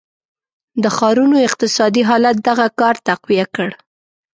د ښارونو اقتصادي حالت دغه کار تقویه کړ.